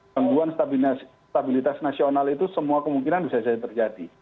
tanduan stabilitas nasional itu semua kemungkinan bisa jadi terjadi